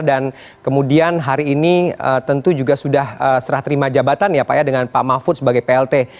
dan kemudian hari ini tentu juga sudah serah terima jabatan ya pak ya dengan pak mahfud sebagai plt